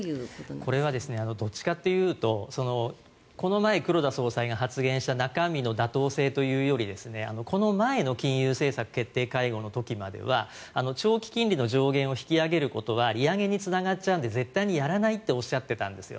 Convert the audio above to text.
これはどちらかというとこの前、黒田総裁が発言した中身の妥当性というよりこの前の金融政策決定会合の時までは長期金利の上限を引き上げることは利上げにつながっちゃうんで絶対にやらないっておっしゃっていたんですよ。